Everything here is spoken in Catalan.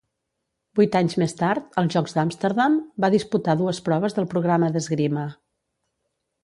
Vuit anys més tard, als Jocs d'Amsterdam, va disputar dues proves del programa d'esgrima.